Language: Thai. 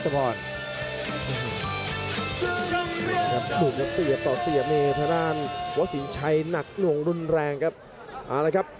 เขาชิงไชห์หนักหน่วงรุนแรงครับ